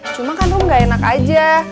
cuma kan rum nggak enak aja